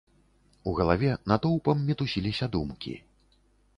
У галаве натоўпам мітусіліся думкі.